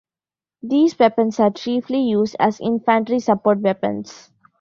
These weapons are chiefly used as infantry support weapons.